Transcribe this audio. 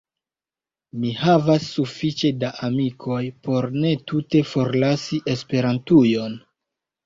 Mi havas sufiĉe da amikoj por ne tute forlasi Esperantujon.